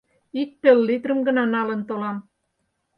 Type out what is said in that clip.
Ик пеллитрым гына налын толам.